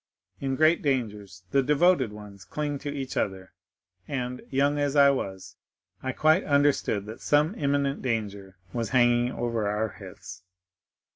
In great dangers the devoted ones cling to each other; and, young as I was, I quite understood that some imminent danger was hanging over our heads."